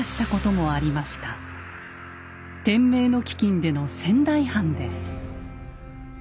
天明の飢饉での仙台藩です。